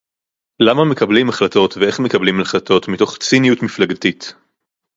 למה מקבלים החלטות ואיך מקבלים החלטות מתוך ציניות מפלגתית